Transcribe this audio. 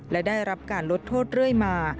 และได้รับการลดโทษเรื่อยมา